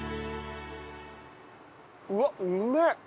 うわっうめえ！